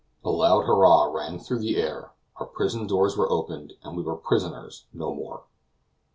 A loud hurrah rang through the air; our prison doors were opened, and we were prisoners no more.